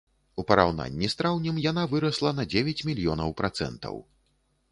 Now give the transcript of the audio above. У параўнанні з траўнем яна вырасла на дзевяць мільёнаў працэнтаў.